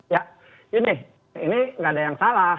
ya ini ini enggak ada yang salah